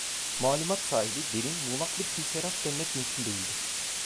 Malumat sahibi, derin, muğlak bir kimseye rast gelmek mümkün değildi.